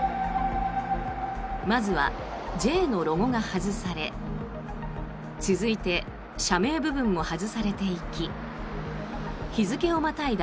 まずは「Ｊ」のロゴが外され続いて社名部分も外されていき日付をまたいだ